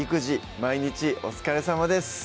毎日お疲れさまです